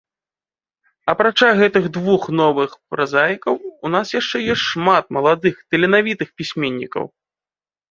Апрача гэтых двух новых празаікаў у нас яшчэ ёсць шмат маладых таленавітых пісьменнікаў.